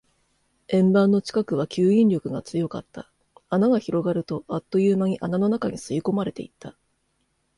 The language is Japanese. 円盤の近くは吸引力が強かった。穴が広がると、あっという間に穴の中に吸い込まれていった。